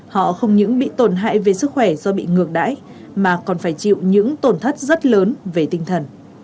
họ không những bị tổn hại về sức khỏe do bị ngược đãi mà còn phải chịu những tổn thất rất lớn về tinh thần